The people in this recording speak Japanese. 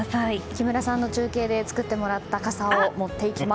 木村さんの中継で作ってもらった傘を持っていきます。